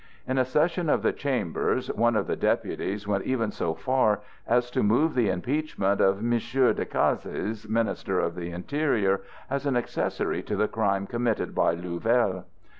In a session of the Chambers one of the deputies went even so far as to move the impeachment of M. Decazes, Minister of the Interior, as an accessory to the crime committed by Louvel.